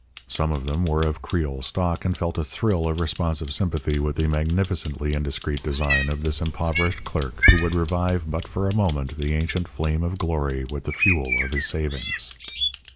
Some of them were of Creole stock and felt a thrill of responsive sympathy with the magnificently indiscreet design of this impoverished clerk who would revive but for a moment the ancient flame of glory with the fuel of his savings.